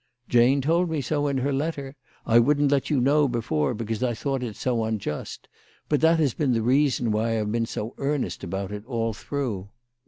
" Jane told me so in her letter. I wouldn't let you know before because I thought it so unjust. But that has been the reason why I've been so earnest about it all through."